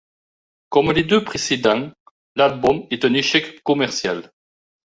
Comme les deux précédents, l'album est un échec commercial.